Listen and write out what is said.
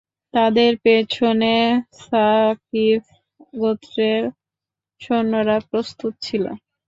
তাদের পেছনে ছাকীফ গোত্রের সৈন্যরা প্রস্তুত ছিল।